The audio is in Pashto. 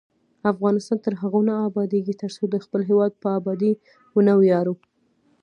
افغانستان تر هغو نه ابادیږي، ترڅو د خپل هیواد په ابادۍ ونه ویاړو.